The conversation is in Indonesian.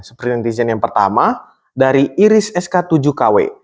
seperti netizen yang pertama dari iris sk tujuh kw